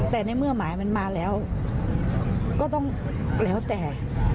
แต่ในเมื่อหมายมันมาแล้วก็ต้องแล้วแต่